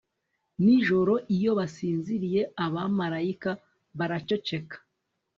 Nijoro iyo basinziriye abamarayika baraceceka